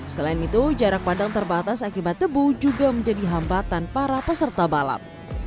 selain itu jarak pandang terbatas akibat tebu juga menjadi hambatan para peserta balap